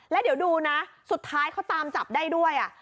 แล้วเดี๋ยวดูนะสุดท้ายเขาตามจับได้ด้วย